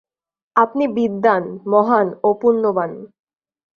আপনি বিদ্বান্, মহান ও পুণ্যবান্।